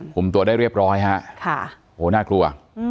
คุมตัวได้เรียบร้อยฮะโหน่ากลัว